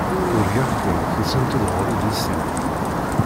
Urgaɣ-kent tusamt-d ɣur-i di snat.